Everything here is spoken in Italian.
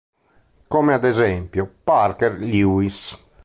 Come ad esempio: Parker Lewis.